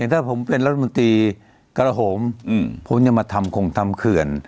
ถ้าผมเป็นนักบุฏรมนตรีกระหงผมอยากมาทำคงทำเขื่อน